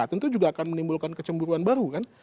tentu juga akan menimbulkan kecemburuan baru kan